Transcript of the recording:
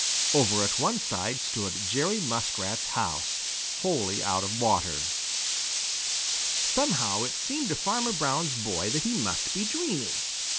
Over at one side stood Jerry Muskrat's house, wholly out of water. Somehow, it seemed to Farmer Brown's boy that he must be dreaming.